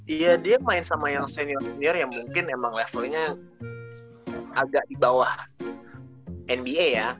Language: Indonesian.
iya dia main sama yang senior senior yang mungkin emang levelnya agak di bawah nba ya